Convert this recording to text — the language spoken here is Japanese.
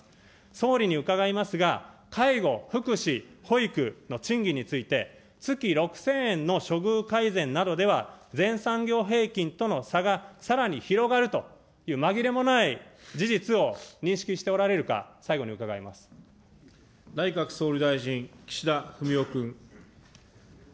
総理に伺いますが、介護・福祉・保育の賃金について、月６０００円の処遇改善などでは、全産業平均との差がさらに広がるというまぎれもない事実を認識し内閣総理大臣、岸田文雄君。